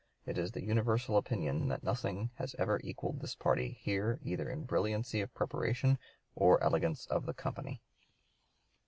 It is the universal opinion that nothing has ever equalled this party here either in brilliancy of preparation or elegance of the company."